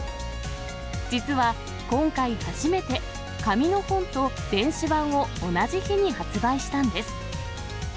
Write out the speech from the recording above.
実は、今回初めて、紙の本と電子版を同じ日に発売したんです。